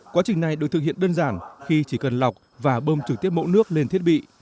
quá trình này được thực hiện đơn giản khi chỉ cần lọc và bơm trực tiếp mẫu nước lên thiết bị